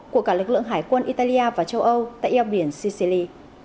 của cả lực lượng hải quân italia và châu âu tại eo biển sicili